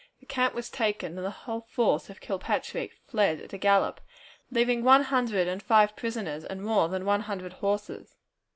The camp was taken, and the whole force of Kilpatrick fled at a gallop, leaving one hundred and five prisoners and more than one hundred horses.